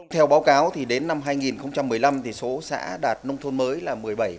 theo báo cáo thì đến năm hai nghìn một mươi năm thì số xã đạt nông thuận mới là một mươi bảy một